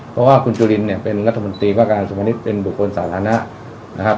เพราะว่าคุณจุลินเนี่ยเป็นรัฐมนตรีว่าการสมณิตเป็นบุคคลสาธารณะนะครับ